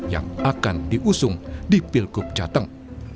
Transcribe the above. yang akan diusung di pilkup jateng